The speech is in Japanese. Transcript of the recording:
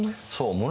そう。